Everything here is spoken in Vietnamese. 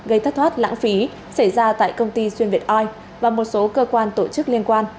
gây thất thoát lãng phí xảy ra tại công ty xuyên việt oi và một số cơ quan tổ chức liên quan